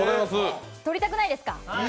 取りたくないですか？